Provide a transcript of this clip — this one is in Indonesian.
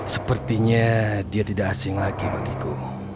sepertinya dia tidak asing lagi bagiku